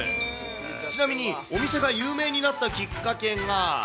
ちなみにお店が有名になったきっかけが。